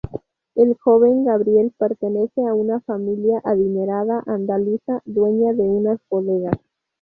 El joven Gabriel pertenece a una familia adinerada andaluza, dueña de unas bodegas.